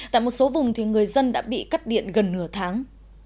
tại một số vùng người dân đã bị cắt điện gần nửa tháng